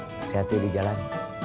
hati hati di jalan